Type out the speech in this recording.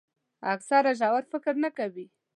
اکثره ژور فکر نه کوي.